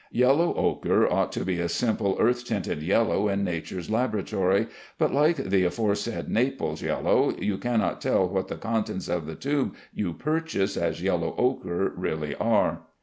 Yellow ochre ought to be a simple earth, tinted yellow in nature's laboratory; but, like the aforesaid Naples yellow, you cannot tell what the contents of the tube you purchase as yellow ochre really are.